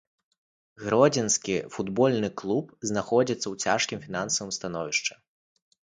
Гродзенскі футбольны клуб знаходзіцца ў цяжкім фінансавым становішчы.